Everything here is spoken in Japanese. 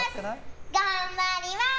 頑張りまーす！